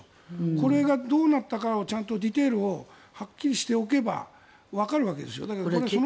これがどうなったかをディテールをはっきりしておけばわかるわけです。